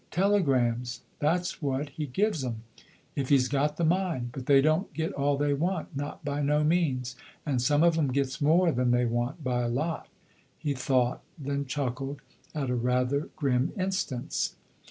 Telegrams: that's what he gives 'em if he's got the mind. But they don't get all they want, not by no means. And some of 'em gets more than they want, by a lot." He thought, then chuckled at a rather grim instance.